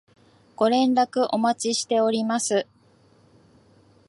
ご連絡お待ちしております